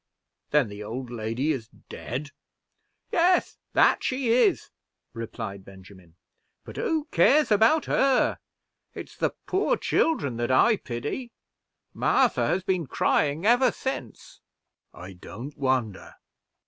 "Then the old lady is dead?" "Yes, that she is," replied Benjamin; "but who cares about her? it's the poor children that I pity. Martha has been crying ever since." "I don't wonder."